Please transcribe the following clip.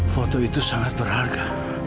foto itu sangat berharga